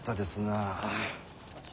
ああ。